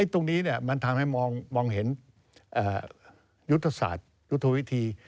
ตรงนี้มันทำให้มองเห็นยุทธศาสตร์ยุทธวิธี